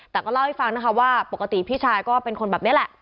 แต่ก็เล่าให้ฟังนะคะว่าปกติพี่ชายก็เป็นคนแบบนี้แหละ